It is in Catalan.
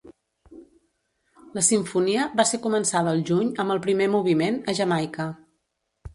La simfonia va ser començada el juny amb el primer moviment, a Jamaica.